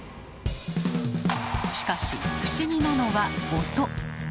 しかし不思議なのは「音」。